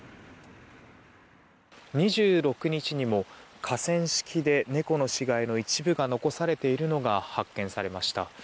２６日にも、河川敷で猫の死骸の一部が残されているのが発見されました。